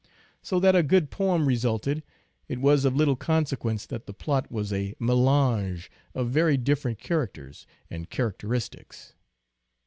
So that a good poem resulted, it was of little consequence that the plot was a melange of very different characters, and character istics.